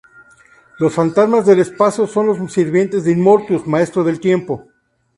Los Fantasmas del Espacio son los sirvientes de Immortus: Maestro del Tiempo.